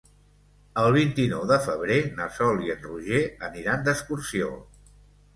El vint-i-nou de febrer na Sol i en Roger aniran d'excursió.